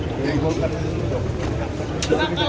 terima kasih pak jokowi